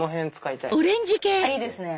いいですね！